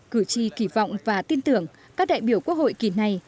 cử tri kỳ vọng và tin tưởng các đại biểu quốc hội kỳ này